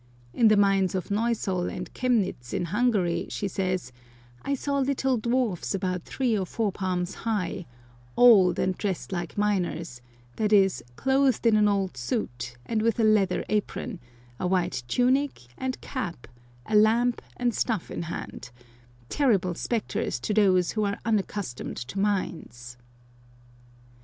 In the mines of Neusol and Chemnitz in Hungary, she says, " I saw little dwarfs about three or four palms high, old, and dressed like miners, that is, clothed in an old suit, and with a leather apron, a white tunic and cap, a lamp and staff in hand — terrible spectres to those who are unaccustomed to mines."